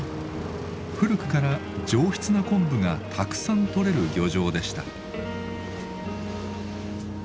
古くから上質な昆布がたくさん採れる漁場でした。